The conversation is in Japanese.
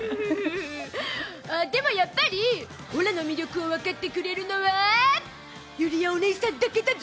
でも、やっぱりオラの魅力をわかってくれるのはユリヤおねいさんだけだゾ！